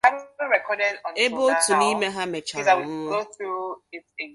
ebe otu n’ime ha mechara nwụọ.”